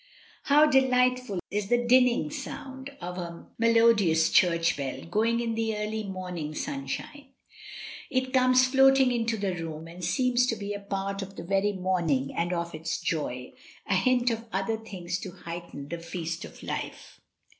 . How delightful is the dinning sound of a melo 58 MRS. DYMOND. dious church bell going in the early morning sun shine; it comes floating into the room and seems to be a part of the very morning and of its joy, a hint of other things to heighten the feast of life.